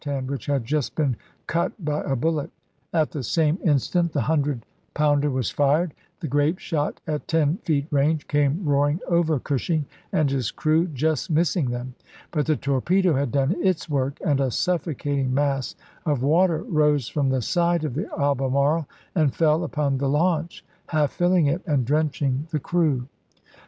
27,1864. hand, which had just been cut by a bullet. At the same instant the 100 pounder was fired; the grape shot, at ten feet range, came roaring over Cushing and his crew, just missing them ; but the torpedo had done its work, and a suffocating mass of water rose from the side of the Albemarle and fell upon the launch, half filling it, and drenching the crew.